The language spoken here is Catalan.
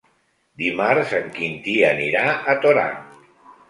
Dimarts en Quintí anirà a Torà.